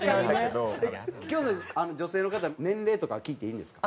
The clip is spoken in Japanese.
今日女性の方年齢とかは聞いていいんですか？